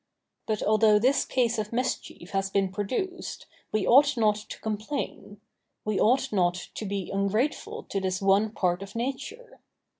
But although this cause of mischief has been produced, we ought not to complain; we ought not to be ungrateful to this one part of nature.